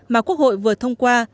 mà quốc hội vừa thông qua